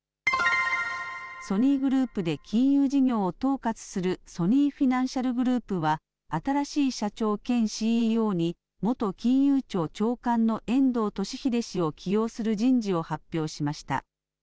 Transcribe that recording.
ソニーグループで金融事業を統括するソニーフィナンシャルグループは、新しい社長兼ＣＥＯに、元金融庁長官の遠藤俊英氏を起用する人事を発表しました。